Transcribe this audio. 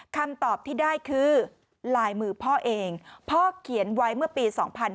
คำตอบที่ได้คือลายมือพ่อเองพ่อเขียนไว้เมื่อปี๒๕๕๙